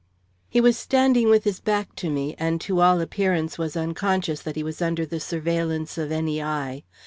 He was standing with his back to me, and to all appearance was unconscious that he was under the surveillance of any eye.